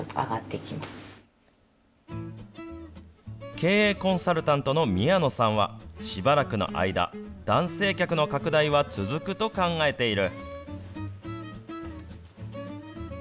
経営コンサルタントの宮野さんは、しばらくの間、男性客の拡大は続くと考えている。